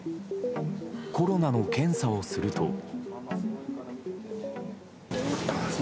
コロナの検査をすると。